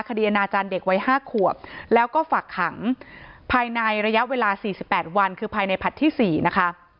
อนาจารย์เด็กวัย๕ขวบแล้วก็ฝากขังภายในระยะเวลา๔๘วันคือภายในผลัดที่๔นะคะ